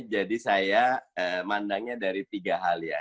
jadi saya mandangnya dari tiga hal ya